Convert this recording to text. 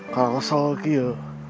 kalau kesel kio